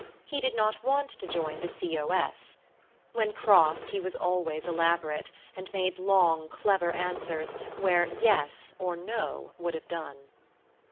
He did not want to join the C. O. S. When cross he was always elaborate, and made long, clever answers where "Yes" or "No" would have done.